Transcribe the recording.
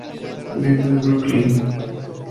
Vengo de Brooklyn!